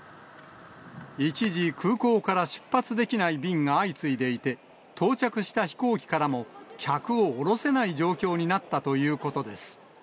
一時、空港から出発できない便が相次いでいて、到着した飛行機からも客を降ろせない状況になったということです。